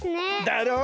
だろ？